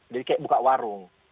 jadi kayak buka warung